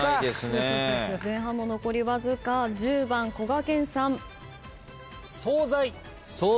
前半も残りわずか１０番こがけんさん。